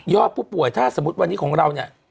ผู้ป่วยถ้าสมมุติวันนี้ของเราเนี่ย